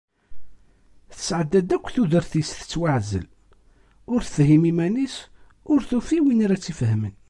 Tesεedda-d akk tudert-is tettwaεzel, ur tefhim iman-is, ur tufi win ara tt-ifahmen.